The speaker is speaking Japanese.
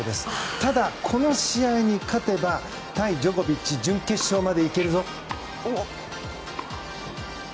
ただ、この試合に勝てば対ジョコビッチ準決勝までいけるぞ！